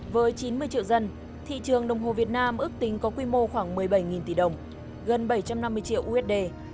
với chín mươi triệu dân thị trường đồng hồ việt nam ước tính có quy mô khoảng một mươi bảy tỷ đồng gần bảy trăm năm mươi triệu usd